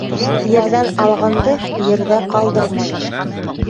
Ерҙән алғанды, ерҙә ҡалдырма.